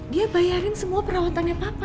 dia bayarin semua perawatannya papa